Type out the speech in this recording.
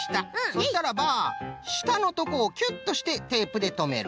そしたらばしたのとこをキュッとしてテープでとめる。